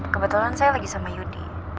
kebetulan saya lagi sama yudi